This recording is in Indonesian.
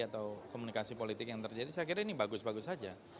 atau komunikasi politik yang terjadi saya kira ini bagus bagus saja